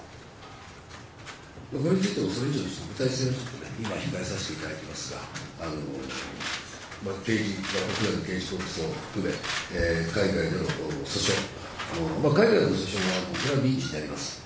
これについてこれ以上お答えは今、控えさせていただきますが、国内の刑事告訴を含め、海外での訴訟、海外の訴訟はこれは民事になります。